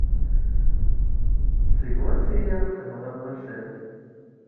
Seg wansi i aɣ-tenwiḍ nusa-d?